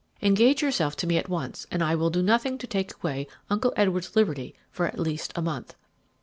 Engage yourself to me at once, and I will do nothing to take away Uncle Edward's liberty for at least a month.'